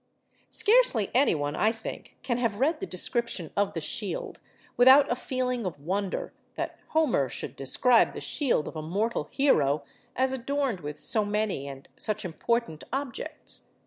Scarcely anyone, I think, can have read the description of the shield without a feeling of wonder that Homer should describe the shield of a mortal hero as adorned with so many and such important objects.